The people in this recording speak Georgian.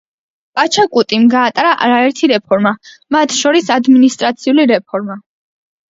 პაჩაკუტიმ გაატარა არაერთი რეფორმა, მათ შორის ადმინისტრაციული რეფორმა.